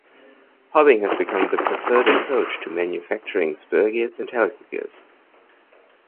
Hobbing has become the preferred approach to manufacturing spur gears and helical gears.